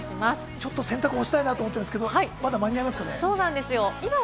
ちょっと洗濯干したいと思ってるんですけれども、まだ間に合いますかね？